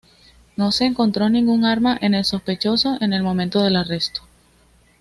No se encontró ningún arma en el sospechoso en el momento del arresto.